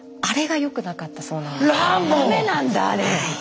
ダメなんだあれ。